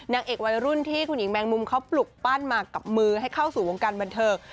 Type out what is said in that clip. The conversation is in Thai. นางเอกวัยรุ่นที่คุณหญิงแมงมุมเขาปลุกปั้นมากับมือให้เข้าสู่วงการบันเทิง